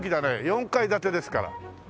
４階建てですから。